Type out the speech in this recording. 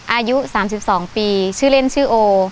อายุ๓๒ปีชื่อเล่นชื่อโอ